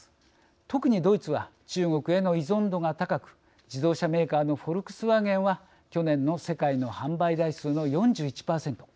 特にドイツは中国への依存度が高く自動車メーカーのフォルクスワーゲンは去年の世界の販売台数の４１％